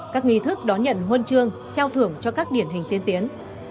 các nghị thức đón nhận huân chương trao thưởng cho các điển hình tiến tiến